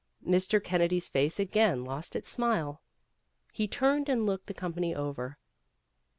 Mr. Kennedy's face again lost its smile. He turned and looked the company over.